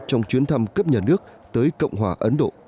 trong chuyến thăm cấp nhà nước tới cộng hòa ấn độ